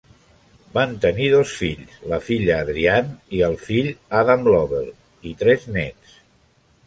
Van tenir dos fills: la filla Adrianne i el fill Adam Lobel, i tres néts.